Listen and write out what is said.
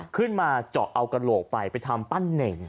ขึ้นมาเจาะเอากระโหลกไปไปทำปั้นเน่ง